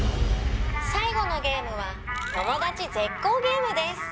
「最後のゲームはトモダチ絶交ゲームです」